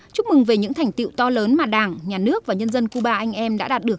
chúc mừng về những thành tiệu to lớn mà đảng nhà nước và nhân dân cuba anh em đã đạt được